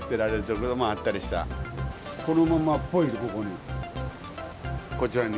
このままぽいとここに。